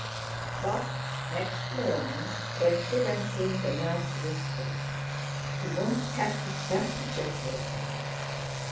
But next morning when she went in the nurse whispered: "He won't have his temperature taken."